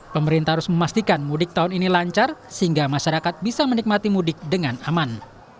pemerintah harus memastikan mudik tahun ini lancar sehingga masyarakat bisa menikmati mudik dengan aman